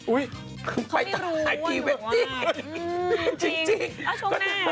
อุ๊ยเขาไม่รู้ว่าหนูว่ะ